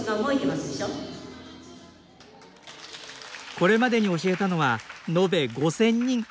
これまでに教えたのはのべ５，０００人。